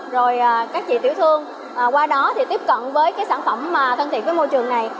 rồi các chị tiểu thương qua đó thì tiếp cận với cái sản phẩm thân thiện với môi trường này